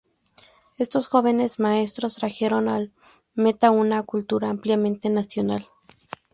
Estos jóvenes maestros trajeron al Meta una cultura ampliamente nacional.